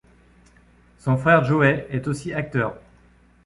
Son frère Joey est aussi acteur.